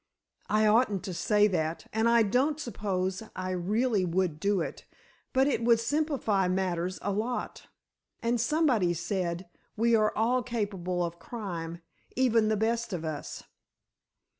I oughtn't to say that—and I don't suppose I really would do it, but it would simplify matters a lot! And somebody said, 'We are all capable of crime—even the best of us.